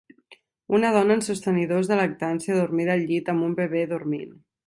Una dona en sostenidors de lactància adormida al llit amb un bebè dormint.